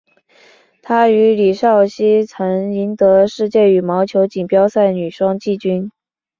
她与李绍希曾赢得世界羽毛球锦标赛女双季军。